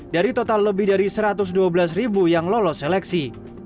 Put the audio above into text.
dari total lebih dari satu ratus dua belas ribu yang lolos seleksi